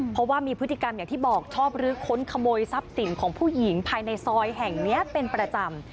เพราะว่ามีพฤติกรรมอย่างที่บอกชอบลื้อค้นขโมยทรัพย์สินของผู้หญิงภายในซอยแห่งนี้เป็นประจำ